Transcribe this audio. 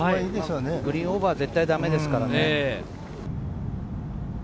グリーンオーバーは絶対だめですからね。